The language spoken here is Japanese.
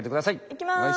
いきます。